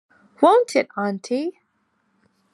Won't it, auntie?